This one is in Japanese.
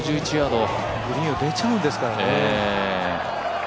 グリーンを出ちゃうんですからね。